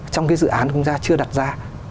trong cái dự án chúng ta chưa đặt ra